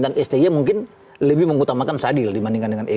dan sti mungkin lebih mengutamakan sadir dibandingkan dengan egy